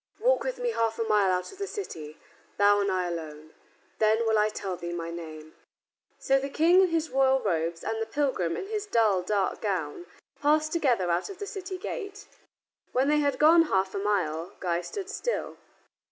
"Walk with me half a mile out of the city, thou and I alone. Then will I tell thee my name." So the King in his royal robes, and the pilgrim in his dull, dark gown, passed together out of the city gate. When they had gone half a mile, Guy stood still.